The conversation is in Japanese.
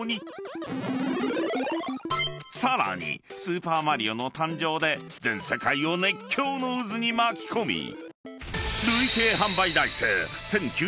［さらに『スーパーマリオ』の誕生で全世界を熱狂の渦に巻き込み］